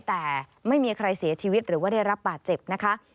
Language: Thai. แต่ไม่มีใครเสียชีวิตหรือว่าได้รับบาดเจ็บนะคะ